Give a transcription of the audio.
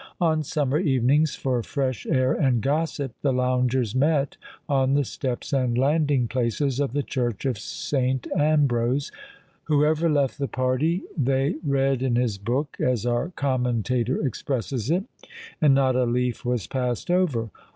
On summer evenings, for fresh air and gossip, the loungers met on the steps and landing places of the church of St. Ambrose: whoever left the party, "they read in his book," as our commentator expresses it; and not a leaf was passed over!